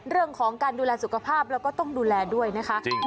เรื่องของการดูแลสุขภาพแล้วก็ต้องดูแลด้วยนะคะ